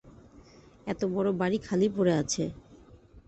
এতবড় বাড়ি খালি পড়ে আছে।